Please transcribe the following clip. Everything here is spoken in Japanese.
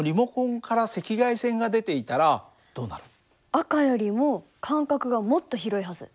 赤よりも間隔がもっと広いはず。